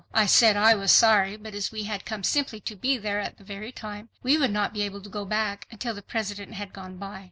I said I was sorry, but as we had come simply to be there at that very time, we would not be able to go back until the President had gone by.